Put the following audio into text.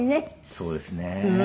そうですね。